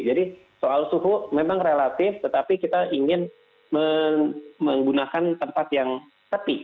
jadi soal suhu memang relatif tetapi kita ingin menggunakan tempat yang sepi